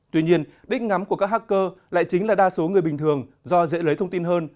tuy nhiên đích ngắm của các hacker lại chính là đa số người bình thường do dễ lấy thông tin hơn